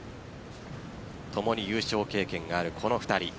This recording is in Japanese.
共に優勝経験があるこの２人。